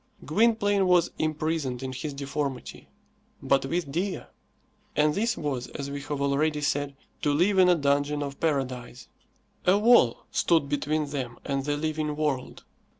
Gwynplaine was imprisoned in his deformity, but with Dea. And this was, as we have already said, to live in a dungeon of paradise. A wall stood between them and the living world.